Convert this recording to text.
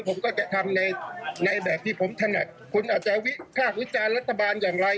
ผมก็จะทำในแบบที่ผมถนัดคุณอาจจะวิพากษ์วิจารณ์รัฐบาลอย่างไร